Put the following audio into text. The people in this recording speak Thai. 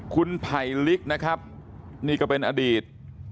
คุณไผลลิกนะครับนี่ก็เป็นอดีต